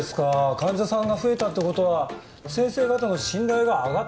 患者さんが増えたって事は先生方の信頼が上がったって事なんですから。